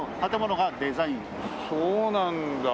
そうなんだ。